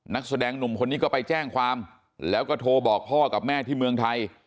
นักแสดงหนุ่มคนนี้ก็ไปแจ้งความแล้วก็โทรบอกพ่อกับแม่ที่เมืองไทย